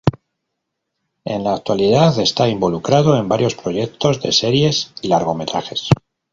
En la actualidad está involucrado en varios proyectos de series y largometrajes.